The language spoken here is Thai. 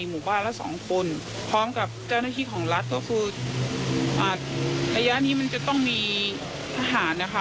หมู่บ้านละสองคนพร้อมกับเจ้าหน้าที่ของรัฐก็คืออ่าระยะนี้มันจะต้องมีทหารนะคะ